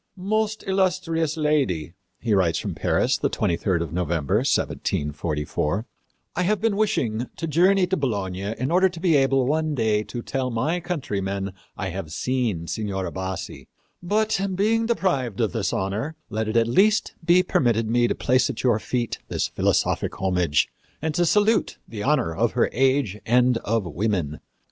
"Most Illustrious Lady," he writes from Paris, the 23d of November, 1744, "I have been wishing to journey to Bologna in order to be able one day to tell my countrymen I have seen Signora Bassi; but, being deprived of this honor, let it at least be permitted me to place at your feet this philosophic homage and to salute the honor of her age and of women.